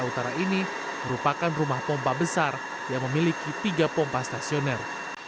pemprovinsi dki jakarta sudah menyiapkan pompa stasioner